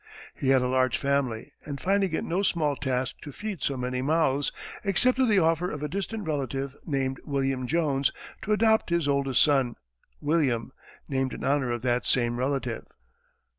He had a large family, and finding it no small task to feed so many mouths, accepted the offer of a distant relative named William Jones to adopt his oldest son, William, named in honor of that same relative.